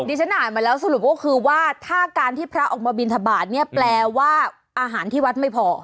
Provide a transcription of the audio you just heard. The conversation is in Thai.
ที่ฉันอ่านมาแล้วสรุปก็คือว่าถ้าการที่พระออกมาบินทบาทเนี่ยแปลว่าอาหารที่วัดไม่พอ